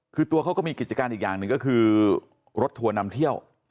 คือตัวเขาก็มีกิจการอีกอย่างหนึ่งก็คือรถทัวร์นำเที่ยว